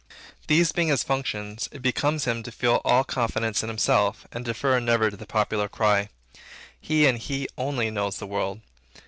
These being his functions, it becomes him to feel all confidence in himself, and to defer never to the popular cry. He and he only knows the world.